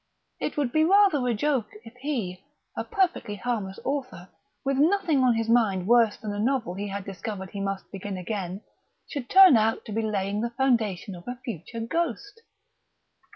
It would be rather a joke if he, a perfectly harmless author, with nothing on his mind worse than a novel he had discovered he must begin again, should turn out to be laying the foundation of a future ghost!...